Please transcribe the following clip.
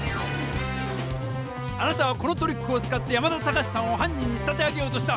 あなたはこのトリックを使って山田タカシさんを犯人に仕立て上げようとした！